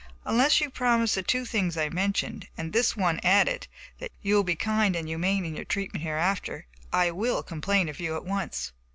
Unless you promise the two things I mentioned, and this one added, that you will be kind and humane in your treatment hereafter, I will complain of you at once."